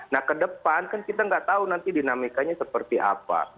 nah ke depan kan kita nggak tahu nanti dinamikanya seperti apa